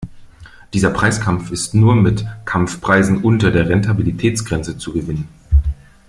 Dieser Preiskampf ist nur mit Kampfpreisen unter der Rentabilitätsgrenze zu gewinnen.